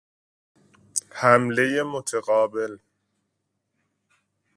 حملهُ متقابل